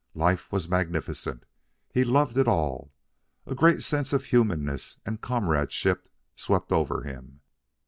Life was magnificent. He loved it all. A great sense of humanness and comradeship swept over him.